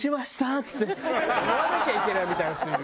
っつって言わなきゃいけないみたいな人いるよ。